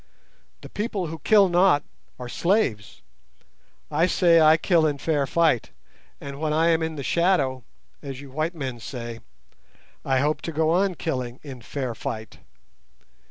The people who kill not are slaves. I say I kill in fair fight; and when I am 'in the shadow', as you white men say, I hope to go on killing in fair fight.